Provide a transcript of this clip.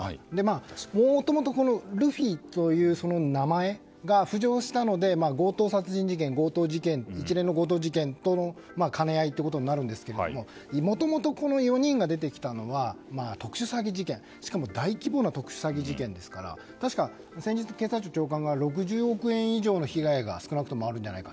もともとルフィという名前が浮上したので強盗殺人事件、強盗事件と一連の強盗事件との兼ね合いになるんですがもともとこの４人が出てきたのは特殊詐欺事件でしかも大規模な特殊詐欺事件ですから確か先日、警察庁長官が６０億円の被害が少なくともあるんじゃないか。